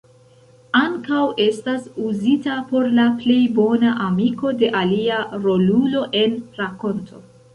Ankaŭ estas uzita por la plej bona amiko de alia rolulo en rakonto.